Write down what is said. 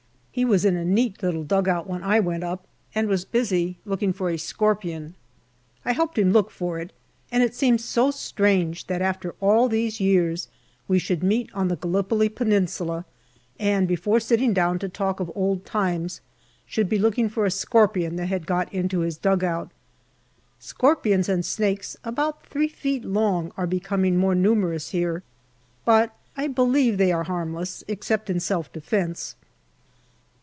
He was in a neat little dugout when I went up, and was busy looking for a MAY 87 scorpion. I helped him look for it, and it seemed so strange that after all these years we should meet on the Gallipoli Peninsula, and before sitting down to talk of old times should be looking for a scorpion that had got into his dugout. Scorpions and snakes about three feet long are becoming more numerous here, but I believe they are harmless, except in self defence.